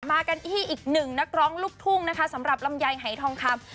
มากันที่อีกหนึ่งนักร้องลูกทุ่งนะคะสำหรับลำไยหายทองคำ